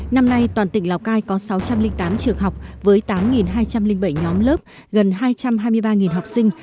năm nay toàn tỉnh lào cai có sáu trăm linh tám trường học với tám hai trăm linh bảy nhóm lớp gần hai trăm hai mươi ba học sinh